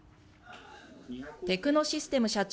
テクノシステム社長